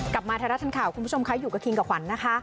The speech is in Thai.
กลับมาไทยรัฐทันข่าวคุณผู้ชมคะอยู่กับคิงกับขวัญนะคะ